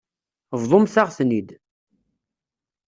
Bḍumt-aɣ-ten-id.